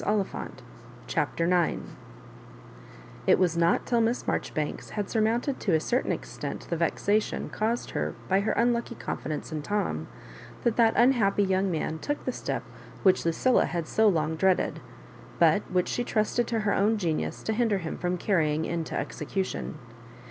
27 CHAPTER IX It was not till Miss Marjoribanks had surmount ed to a certain extent the vexation caused her by her unlucky confidence iu Tom, that that un happy young man took the step which Lucilla had so long dreaded, but which she trusted to ber own genius to hinder him from carrying into execution.